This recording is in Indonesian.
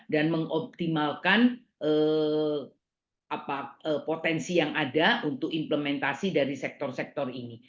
dan mengoptimalkan potensi yang ada untuk implementasi dari sektor sektor ini